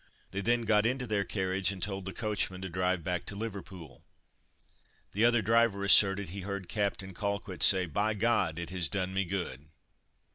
They then got into their carriage and told the coachman to drive back to Liverpool. The other driver asserted he heard Captain Colquitt say, "by G , it has done me good."